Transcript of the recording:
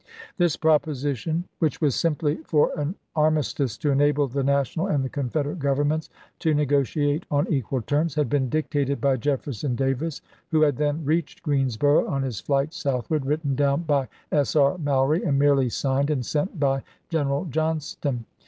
This proposition, which was simply for an armis tice to enable the National and the Confederate Governments to negotiate on equal terms, had been dictated by Jefferson Davis, who had then reached Greensboro' on his flight southward, written down by S. E. Mallory, and merely signed and sent by ibid. General Johnston.